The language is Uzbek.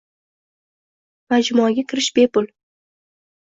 Majmuaga kirish bepul